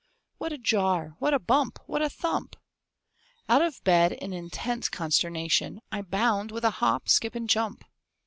What a jar! what a bump! what a thump! Out of bed, in intense consternation, I bound with a hop, skip, and jump.